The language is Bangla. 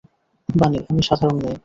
বানি, আমি সাধারন মেয়ে।